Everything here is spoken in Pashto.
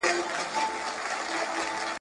انرژي لرونکي مشروبات ماشومانو ته مه ورکوئ.